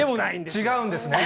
違うんですね。